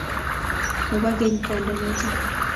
mabokwekeny banoto